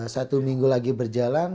satu minggu lagi berjalan